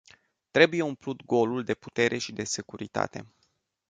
Trebuie umplut golul de putere și de securitate.